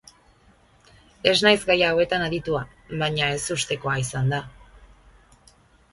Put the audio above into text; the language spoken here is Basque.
Ez naiz gai hautean aditua, baina ezustekoa izan da.